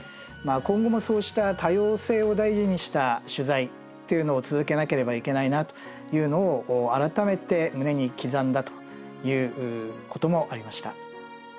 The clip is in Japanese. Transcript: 今後もそうした多様性を大事にした取材っていうのを続けなければいけないなというのを改めて胸に刻んだということもありました。